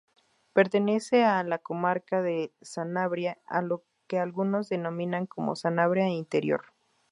Pertenece a la comarca de Sanabria, a lo que algunos denominan como Sanabria interior.